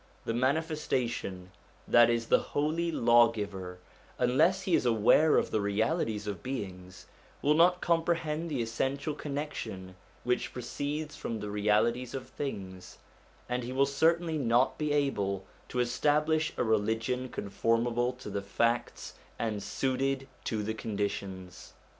The Manifestation, that is the Holy Lawgiver, unless he is aware of the realities of beings, will not comprehend the essential connection which proceeds from the realities of things, and he will certainly not be able to establish a religion conformable to the facts and suited to the conditions.